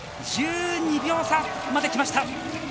１２秒差まできました。